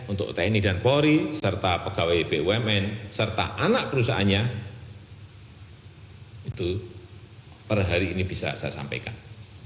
untuk tni dan polri serta pegawai bumn serta anak perusahaannya itu per hari ini bisa saya sampaikan